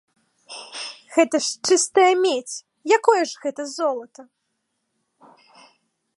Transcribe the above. Гэта ж чыстая медзь, якое ж гэта золата?